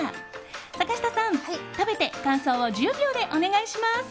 坂下さん、食べて感想を１０秒でお願いします。